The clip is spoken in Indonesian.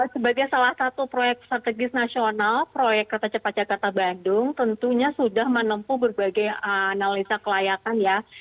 sebagai salah satu proyek strategis nasional proyek kereta cepat jakarta bandung tentunya sudah menempuh berbagai analisa kelayakan ya